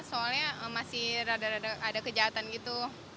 soalnya masih ada kejahatan gitu